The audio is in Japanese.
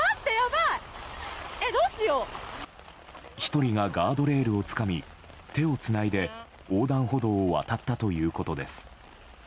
１人がガードレールをつかみ手をつないで横断歩道を渡ったということです。